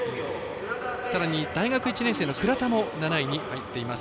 さらに大学１年生の倉田も７位に入っています。